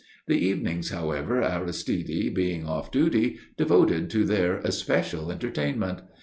The evenings, however, Aristide, being off duty, devoted to their especial entertainment.